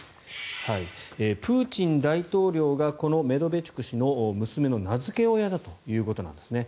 プーチン大統領がこのメドベチュク氏の娘の名付け親だということなんですね。